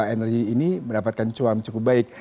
energi ini mendapatkan cuan cukup baik